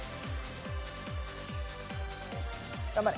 頑張れ！